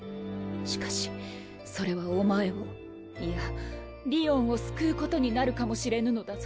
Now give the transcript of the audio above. しかしそれはおまえをいやりおんを救うことになるかも知れぬのだぞ！